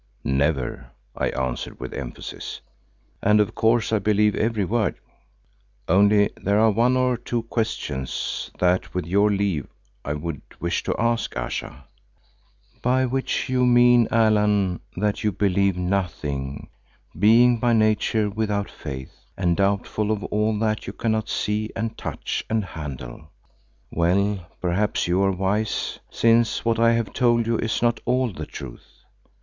"Never," I answered with emphasis, "and of course I believe every word. Only there are one or two questions that with your leave I would wish to ask, Ayesha." "By which you mean, Allan, that you believe nothing, being by nature without faith and doubtful of all that you cannot see and touch and handle. Well, perhaps you are wise, since what I have told you is not all the truth.